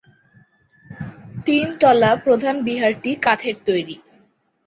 তিনতলা প্রধান বিহারটি কাঠের তৈরী।